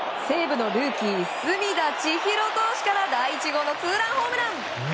西武のルーキー隅田知一郎選手から第１号のツーランホームラン。